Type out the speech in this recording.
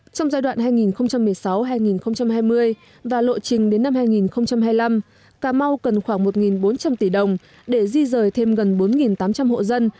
trong giai đoạn hai nghìn một mươi sáu hai nghìn hai mươi và lộ trình đến năm hai nghìn hai mươi năm cà mau cần khoảng một bốn trăm linh tỷ đồng để di rời thêm gần bốn tám trăm linh hộ dân